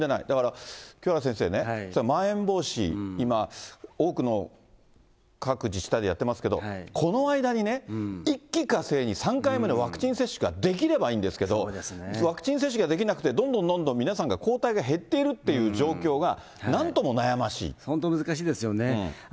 だから、清原先生ね、まん延防止、今、多くの各自治体でやってますけど、この間にね、一気かせいに３回までワクチン接種ができればいいんですけど、ワクチン接種ができなくて、どんどんどんどん皆さんが抗体が減っているっていう状況が、なん本当、難しいですよね。